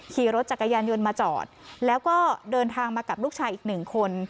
ขี่รถจักรยานยนต์มาจอดแล้วก็เดินทางมากับลูกชายอีกหนึ่งคน